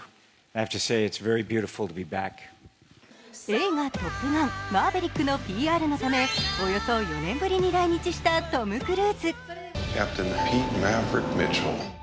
映画「トップガンマーヴェリック」のＰＲのためおよそ４年ぶりに来日したトム・クルーズ。